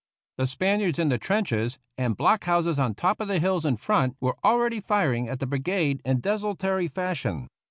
The Spaniards in the trenches and block houses on top of the hills in front were already firing at the brigade in desul tory fashion.